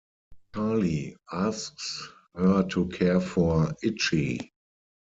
Charlie asks her to care for Itchy.